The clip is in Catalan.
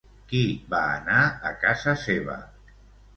Qui va anar a casa seva?